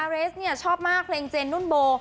เรซชอบมากเพลงเจนนุ่นโบ